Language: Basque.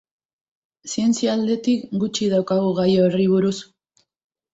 Zientzia aldetik gutxi daukagu gai horri buruz.